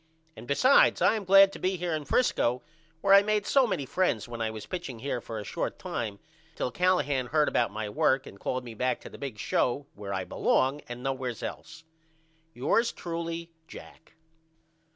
And besides I am glad to be here in Frisco where I made so many friends when I was pitching here for a short time till Callahan heard about my work and called me back to the big show where I belong at and nowheres else. Yours truly, JACK.